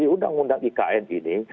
di undang undang ikn ini